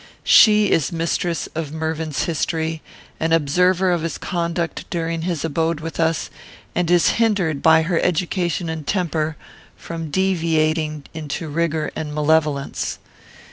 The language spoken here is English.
She is mistress of Mervyn's history; an observer of his conduct during his abode with us; and is hindered, by her education and temper, from deviating into rigour and malevolence.